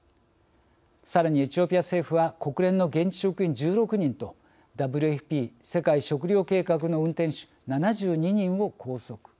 さらにエチオピア政府は国連の現地職員１６人とＷＦＰ＝世界食糧計画の運転手７２人を拘束。